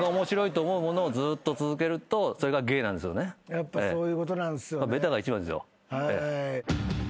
やっぱそういうことなんすよね。